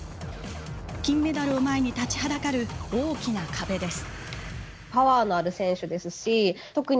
金メダルを前に立ちはだかる大きな壁です。